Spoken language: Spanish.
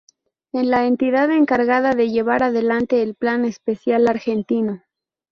Es la entidad encargada de llevar adelante el Plan Espacial Argentino.